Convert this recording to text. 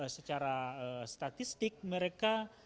secara statistik mereka